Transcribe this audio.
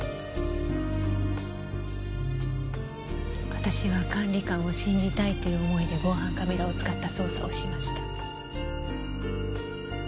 私は管理官を信じたいという思いで防犯カメラを使った捜査をしました。